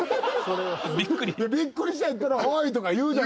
びっくりしてんやったらおい！とか言うじゃないですか。